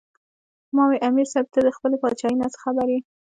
" ـ ما وې " امیر صېب تۀ د خپلې باچائۍ نه څۀ خبر ئې